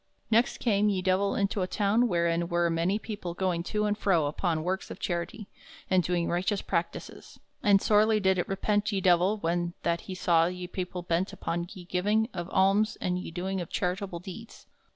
Next came ye Divell into a town wherein were many people going to and fro upon works of charity, and doing righteous practices; and sorely did it repent ye Divell when that he saw ye people bent upon ye giving of alms and ye doing of charitable deeds.